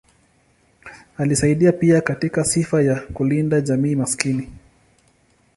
Alisaidia pia katika sifa ya kulinda jamii maskini.